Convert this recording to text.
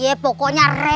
ya pokoknya rebes ane ya